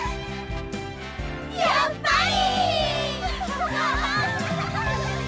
やっぱり！